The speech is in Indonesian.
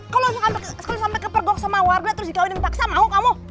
kalau langsung sampai ke pergok sama wardah terus dikawinin paksa mau kamu